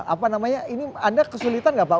apa namanya ini anda kesulitan nggak pak